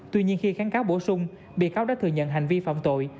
tuy nhiên khi kháng cáo bổ sung bị cáo đã thừa nhận hành vi phạm tội